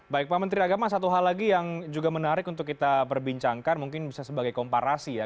baik pak menteri agama satu hal lagi yang juga menarik untuk kita perbincangkan mungkin bisa sebagai komparasi ya